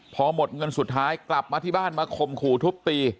พอหมดเงินสุดท้ายกลับมาที่บ้านมาข่มขู่ทุบตี